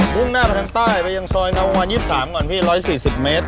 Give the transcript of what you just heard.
่งหน้าไปทางใต้ไปยังซอยนาวงวัน๒๓ก่อนพี่๑๔๐เมตร